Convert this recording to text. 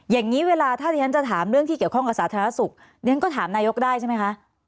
อย่างนี้เวลาถ้าที่ฉันจะถามเรื่องที่เกี่ยวข้องกับสาธารณสุขเรียนก็ถามนายกได้ใช่ไหมคะ